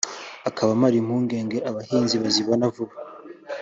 akaba amara impungenge abahinzi bazabibona vuba